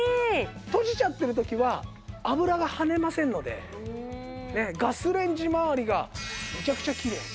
閉じちゃってる時は油がはねませんのでガスレンジ周りがめちゃくちゃきれい。